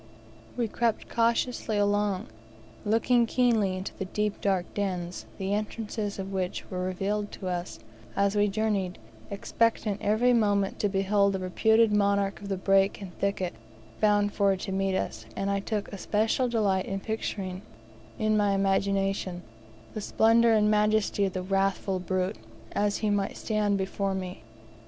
We crept cautiously along, looking keenly into the deep dark dens, the entrances of which were revealed to us, as we journeyed, expectant every moment to behold the reputed monarch of the brake and thicket, bound forward to meet us, and I took a special delight in picturing, in my imagination, the splendor and majesty of the wrathful brute, as he might stand before me.